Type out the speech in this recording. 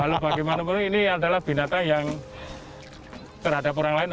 terhadap orang lain tapi tetap bagaimanapun ini adalah binatang yang terhadap orang lain